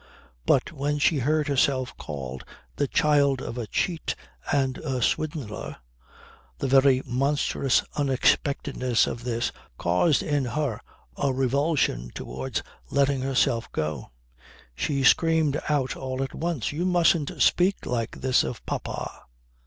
But when she heard herself called the child of a cheat and a swindler, the very monstrous unexpectedness of this caused in her a revulsion towards letting herself go. She screamed out all at once "You mustn't speak like this of Papa!"